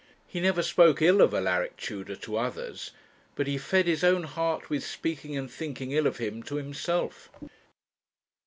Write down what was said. He never spoke ill of Alaric Tudor, to others; but he fed his own heart with speaking and thinking ill of him to himself.